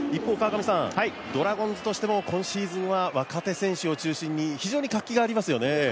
ドラゴンズとしても今シーズンは若手選手を中心に非常に活気がありますよね。